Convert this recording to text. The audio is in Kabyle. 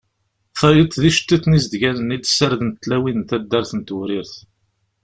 Tayeḍ d iceṭṭiḍen izeddganen i d-ssardent tlawin n taddart n Tewrirt.